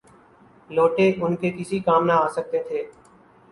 لوٹے ان کے کسی کام نہ آ سکتے تھے۔